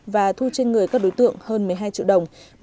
và thu trên người các đối tượng hơn một mươi hai triệu đồng